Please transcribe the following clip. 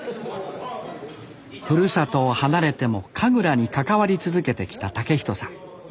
ふるさとを離れても神楽に関わり続けてきた健人さん。